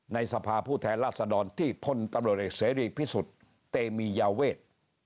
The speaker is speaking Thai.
สภาพผู้แทนราชดรที่พลตำรวจเอกเสรีพิสุทธิ์เตมียาเวท